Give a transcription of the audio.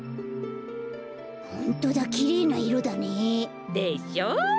ホントだきれいないろだね。でしょう？